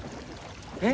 えっ？